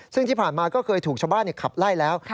ซึ่งที่ผ่านมาก็เคยถูกชาวบ้านขับไล่แล้ว